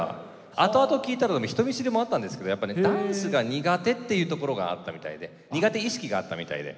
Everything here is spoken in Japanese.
後々聞いたらね人見知りもあったんですけどやっぱねダンスが苦手っていうところがあったみたいで苦手意識があったみたいで。